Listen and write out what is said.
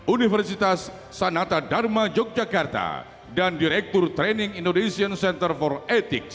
universitas sanata dharma yogyakarta dan direktur training indonesian center for ethics